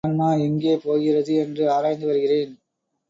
இறந்த ஆன்மா எங்கே போகிறது என்று ஆராய்ந்து வருகிறேன்.